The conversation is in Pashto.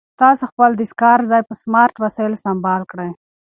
تاسو خپل د کار ځای په سمارټ وسایلو سمبال کړئ.